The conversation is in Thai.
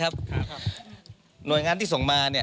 ก็ที่ส่งมาเนี่ย